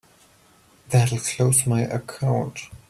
That'll close my account.